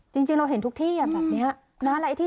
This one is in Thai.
จริงเราเห็นทุกที่แบบนี้นะ